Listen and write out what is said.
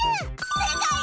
正解！